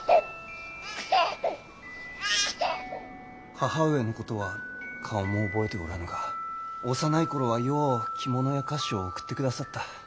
母上のことは顔も覚えておらぬが幼い頃はよう着物や菓子を送ってくださった。